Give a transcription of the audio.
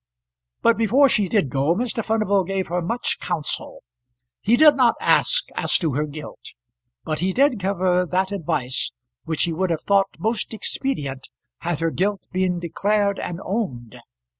But before she did go, Mr. Furnival gave her much counsel. He did not ask as to her guilt, but he did give her that advice which he would have thought most expedient had her guilt been declared and owned.